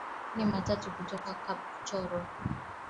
Mingine mitatu kutoka Kapchorwa